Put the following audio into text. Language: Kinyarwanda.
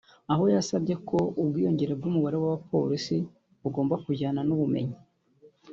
aho yasabye ko ubwiyongere bw’umubare w’abapolisi bugomba kujyana n’ubumenyi